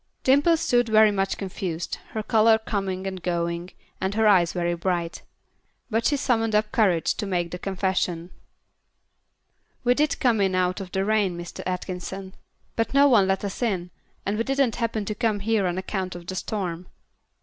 Dimple stood very much confused, her color coming and going, and her eyes very bright. But she summoned up courage to make the confession: "We did come in out of the rain, Mr. Atkinson, but no one let us in, and we didn't happen to come here on account of the storm."